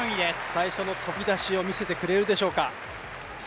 最初の飛び出しを見せてくれるでしょうか？